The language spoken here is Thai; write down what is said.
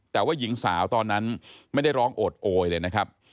แต่ว่าหญิงสาวตอนนั้นไม่ได้ร้องโอดโอยเลยนะครับ